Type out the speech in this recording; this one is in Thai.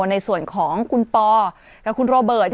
ในส่วนของคุณปอกับคุณโรเบิร์ต